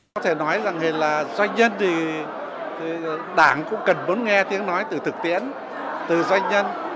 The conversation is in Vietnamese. có thể nói rằng là doanh nhân thì đảng cũng cần muốn nghe tiếng nói từ thực tiễn từ doanh nhân